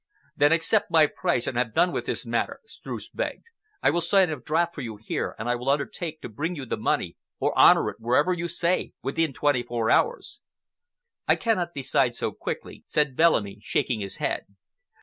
"Then accept my price and have done with this matter," Streuss begged. "I will sign a draft for you here, and I will undertake to bring you the money, or honor it wherever you say, within twenty four hours." "I cannot decide so quickly," said Bellamy, shaking his head.